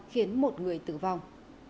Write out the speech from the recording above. khiến một người tử vong